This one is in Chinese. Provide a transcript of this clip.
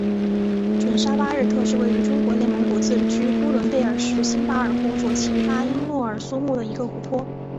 准沙巴日特是位于中国内蒙古自治区呼伦贝尔市新巴尔虎左旗巴音诺尔苏木的一个湖泊。